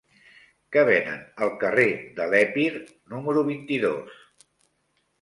Què venen al carrer de l'Epir número vint-i-dos?